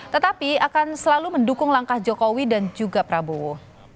tetapi akan selalu mendukung langkah jokowi dan juga prabowo